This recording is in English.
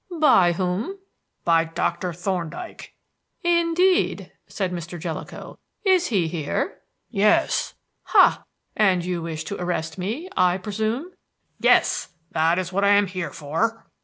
"By whom?" "By Doctor Thorndyke." "Indeed," said Mr. Jellicoe. "Is he here?" "Yes." "Ha! and you wish to arrest me, I presume?" "Yes. That is what I am here for."